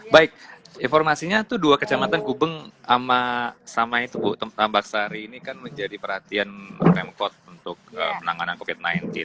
baik informasinya itu dua kecamatan gubeng sama itu bu tambak sari ini kan menjadi perhatian pemkot untuk penanganan covid sembilan belas